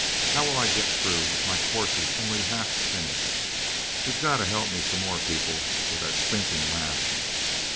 "How'll I get through, with my courses only half finished. You've gotta help me some more, people! With that stinking math...!"